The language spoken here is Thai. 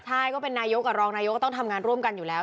ใช่ก็เป็นนายกกับรองนายกก็ต้องทำงานร่วมกันอยู่แล้ว